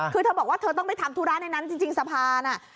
คือเธอบอกว่าเธอต้องไปทำธุระในนั้นจริงสะพานน่ะ